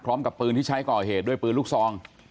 พร้อมกับปืนที่ใช้ก่อเหตุด้วยปืนลูกซอง